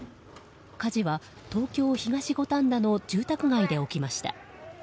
火事は東京・東五反田の住宅街で起きました。